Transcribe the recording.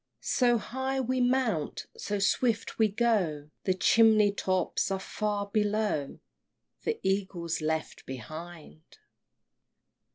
So high we mount, so swift we go, The chimney tops are far below, The Eagle's left behind!